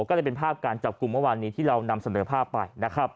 ก็เลยเป็นภาพการจับกลุ่มเมื่อวานนี้ที่เรานำเสนอภาพไปนะครับ